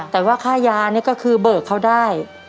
แต่ว่าค่ายานี่ก็คือเบิกเขาได้